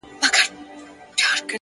لوړ هدفونه ژمنتیا غواړي!